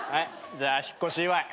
じゃあ引っ越し祝い。